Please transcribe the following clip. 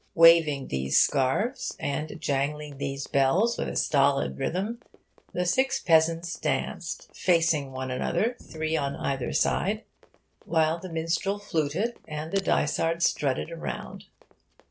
Waving these scarves and jangling these bells with a stolid rhythm, the six peasants danced facing one another, three on either side, while the minstrel fluted and the dysard strutted around.